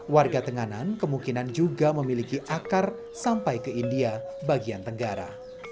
warga tenganan kemungkinan juga memiliki akar sampai ke india bagian tenggara